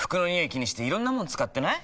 気にしていろんなもの使ってない？